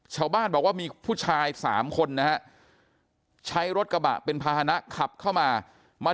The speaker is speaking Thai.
ชาวบ้านบอกว่ามีผู้ชาย๓คนนะฮะใช้รถกระบะเป็นภาษณะขับเข้ามามา